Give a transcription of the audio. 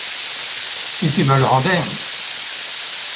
Si tu me le rendais.